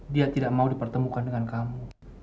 dia tidak mau dipertemukan dengan kamu